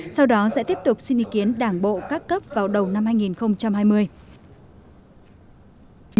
sau đó sẽ tiếp tục xin ý kiến đảng bộ các cấp vào đầu năm hai nghìn hai mươi